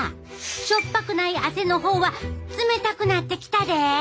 塩っぱくない汗のほうは冷たくなってきたで！